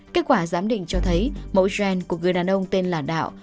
kết quả giám định cho thấy mẫu gen của người đàn ông tên là đạo